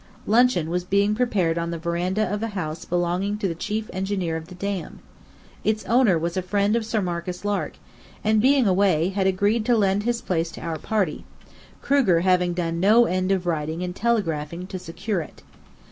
Luncheon was being prepared on the veranda of a house belonging to the chief engineer of the Dam. Its owner was a friend of Sir Marcus Lark, and, being away, had agreed to lend his place to our party, Kruger having done no end of writing and telegraphing to secure it.